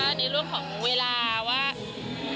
ก็มีเสี่ยงน้ำตาบ้าง